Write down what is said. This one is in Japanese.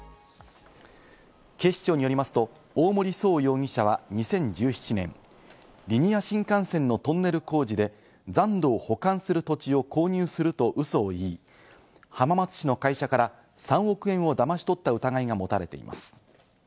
警視庁によりますと、大森創容疑者は２０１７年、リニア新幹線のトンネル工事で残土を保管する土地を購入するとウソを言い、浜松市の会社から３億円をだまし取った疑いが持たれています。